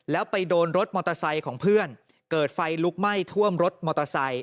แล้วไปโดนรถมอเตอร์ไซค์ของเพื่อนเกิดไฟลุกไหม้ท่วมรถมอเตอร์ไซค